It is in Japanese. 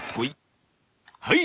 はい！